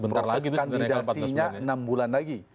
proses kandidasinya enam bulan lagi